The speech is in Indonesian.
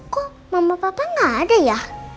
kok mama papa gak ada ya